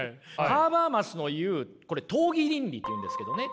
ハーバーマスの言うこれ討議倫理というんですけどね